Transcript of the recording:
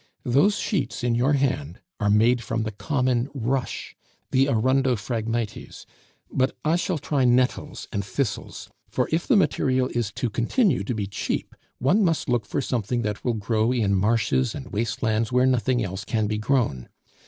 Those sheets in your hand are made from the common rush, the arundo phragmites, but I shall try nettles and thistles; for if the material is to continue to be cheap, one must look for something that will grow in marshes and waste lands where nothing else can be grown.